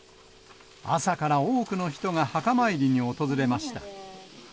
朝から多くの人が墓参りに訪れました。